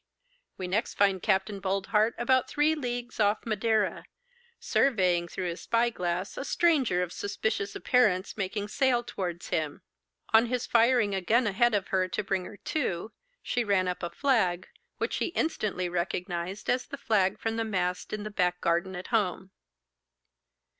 We next find Capt. Boldheart about three leagues off Madeira, surveying through his spy glass a stranger of suspicious appearance making sail towards him. On his firing a gun ahead of her to bring her to, she ran up a flag, which he instantly recognised as the flag from the mast in the back garden at home.